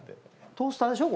トースターでしょこれ。